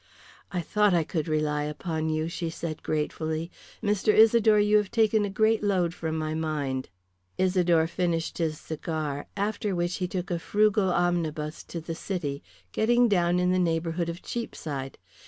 "I thought I could rely upon you," she said gratefully. "Mr. Isidore, you have taken a great load from my mind." Isidore finished his cigar, after which he took a frugal omnibus to the City, getting down in the neighbourhood of Cheapside.